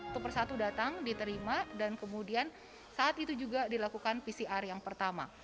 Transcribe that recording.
satu persatu datang diterima dan kemudian saat itu juga dilakukan pcr yang pertama